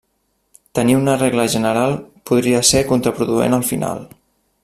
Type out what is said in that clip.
Tenir una regla general podria ser contraproduent al final.